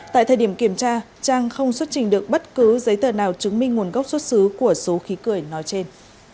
tại thời điểm kiểm tra trang không xuất trình được bất cứ giấy tờ nào chứng minh nguồn gốc xuất xứ của số khí cười nói trên